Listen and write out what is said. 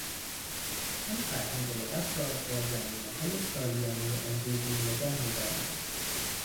آن فرهنگ لغت را با ضمیمههای سالیانه امروزی نگه میدارند.